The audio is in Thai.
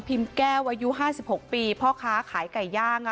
พิมพ์แก้วอายุห้าสิบหกปีพ่อค้าขายไก่ย่างอ่ะ